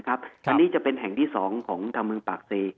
อันนี้จะเป็นแห่งที่๒ของทางเมืองปากเซ